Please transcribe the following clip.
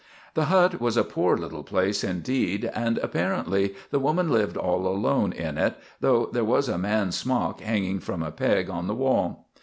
The hut was a poor little place, indeed, and apparently the woman lived all alone in it, though there was a man's smock hanging from a peg on the wall.